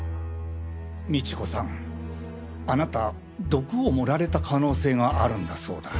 美知子さんあなた毒を盛られた可能性があるんだそうだ。